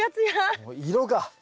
もう色が！